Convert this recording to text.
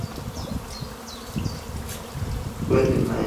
The older Grizzly has a rigid rear axle with a single shock.